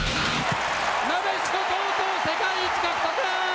なでしこ、とうとう世界一獲得。